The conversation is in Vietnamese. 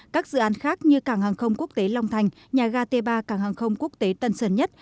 các dự án khác như cảng hàng không quốc tế long thành nhà ga t ba cảng hàng không quốc tế tân sơn nhất